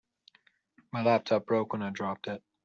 My laptop broke when I dropped it.